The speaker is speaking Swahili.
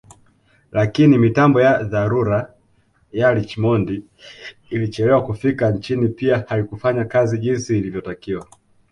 Lakini mitambo ya dharura ya Richmond ilichelewa kufika nchini pia haikufanya kazi jinsi ilivyotakiwa